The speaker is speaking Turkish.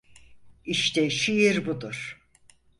İşte şiir budur!